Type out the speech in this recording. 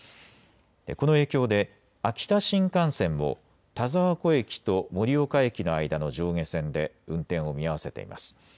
この影響で秋田新幹線も田沢湖駅と盛岡駅の間の上下線で運転を見合わせています。